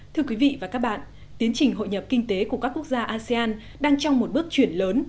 thưa quý vị và các bạn tiến trình hội nhập kinh tế của các quốc gia asean đang trong một bước chuyển lớn